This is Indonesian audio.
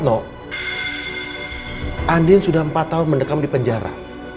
semua terlambat no andin sudah empat tahun mendekam di penjara